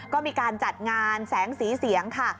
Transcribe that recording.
ก็มีการจัดงานแสงสีเสียงค่ะ